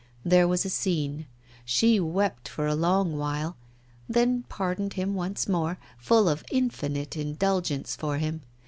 There was a scene; she wept for a long while, then pardoned him once more, full of infinite indulgence for him.